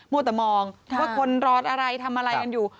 วัวแต่มองว่าคนรออะไรทำอะไรกันอยู่